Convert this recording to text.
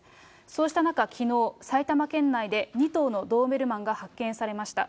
そうした中、きのう、埼玉県内で２頭のドーベルマンが発見されました。